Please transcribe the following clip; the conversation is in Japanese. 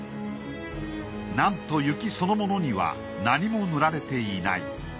なんと雪そのものには何も塗られていない。